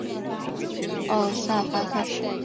欧森巴克。